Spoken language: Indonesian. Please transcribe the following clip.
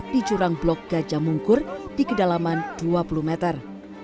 di jurang blok gajah mungkur di kedalaman dua puluh meter